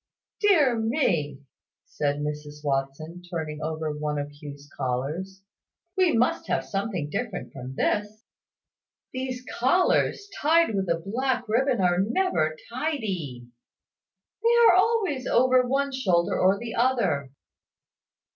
"Dear me!" said Mrs Watson, turning over one of Hugh's new collars, "we must have something different from this. These collars tied with a black ribbon are never tidy. They are always over one shoulder or the other."